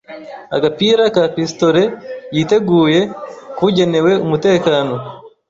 agapira ka pistolet yiteguye kugenewe umutekano.